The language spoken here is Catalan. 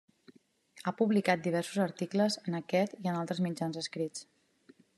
Ha publicat diversos articles en aquest i en altres mitjans escrits.